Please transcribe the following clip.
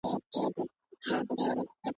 انسانان به وي اخته په بدو چارو .